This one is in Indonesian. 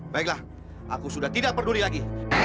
baiklah aku sudah tidak peduli lagi